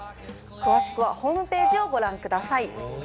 詳しくはホームページをご覧ください。